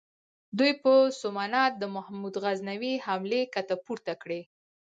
دوی په سومنات د محمود غزنوي حملې کته پورته کړې.